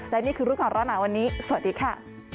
และนี่คือรูปของร้อนหนาวันนี้สวัสดีค่ะ